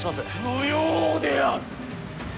無用である！